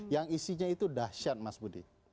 yang isinya itu dahsyat mas budi